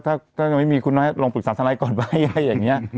เออถ้าไม่มีคุณแม่ลองปรึกษาทนายก่อนไปอะไรอย่างเนี้ย